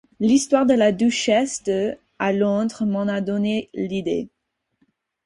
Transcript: L’histoire de la duchesse de..., à Londres, m’en a donné l’idée.